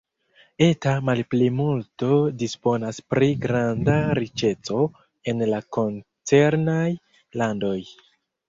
Eta malplimulto disponas pri granda riĉeco en la koncernaj landoj.